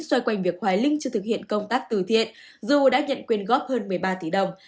xoay quanh việc hoài linh chưa thực hiện công tác từ thiện dù đã nhận quyên góp hơn một mươi ba tỷ đồng